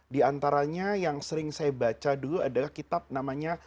di antaranya yang sering saya baca dulu adalah kitab namanya